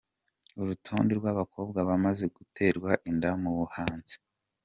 Urutonde rw’abakobwa bamaze gutererwa inda mu buhanzi:.